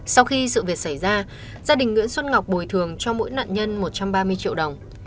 sau khi sự việc xảy ra gia đình nguyễn xuân ngọc bồi thường cho mỗi nạn nhân một trăm ba mươi triệu đồng